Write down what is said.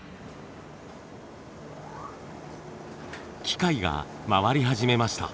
機械が回り始めました。